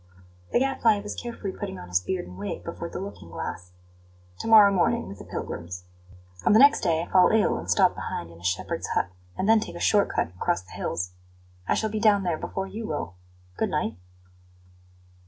The Gadfly was carefully putting on his beard and wig before the looking glass. "To morrow morning, with the pilgrims. On the next day I fall ill and stop behind in a shepherd's hut, and then take a short cut across the hills. I shall be down there before you will. Good night!"